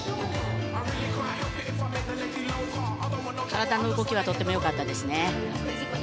体の動きはとても良かったですね。